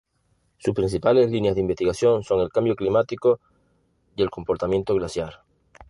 Sus principales líneas de investigación son el cambio climático y el comportamiento glaciar.